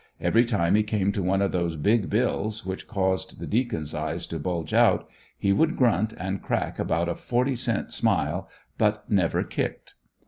Every time he came to one of those big bills, which caused the Deacon's eyes to bulge out, he would grunt and crack about a forty cent smile, but never kicked.